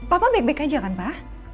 papa baik baik aja kan pak